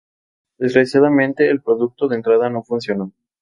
Desgraciadamente, el producto de entrada no funcionó.